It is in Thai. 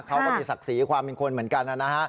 เขาก็มีศักดิ์ศรีความเป็นคนเหมือนกันนะฮะ